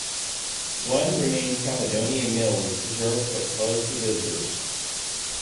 One renamed Caledonia Mill is preserved but closed to visitors.